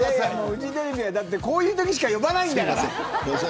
フジテレビはこういうときしか呼ばないんだから。